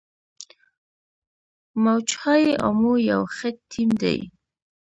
موج های امو یو ښه ټیم دی.